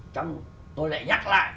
trong tôi lại nhắc lại